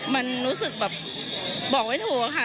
มันรู้สึกแบบบอกไม่ถูกอะค่ะ